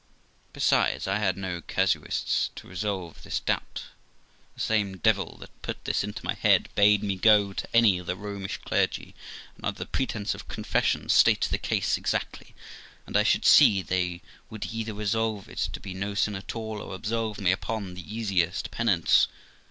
Besides, I had no casuists to resolve this doubt; the same devil that put this into my head bade me go to any of the Romish clergy, and, under the pretence of confession, state the case exactly, and I should see they would either resolve it to be no sin at all, or absolve me upon the easiest penance.